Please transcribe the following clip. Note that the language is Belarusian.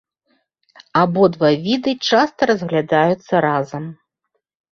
Абодва віды часта разглядаюцца разам.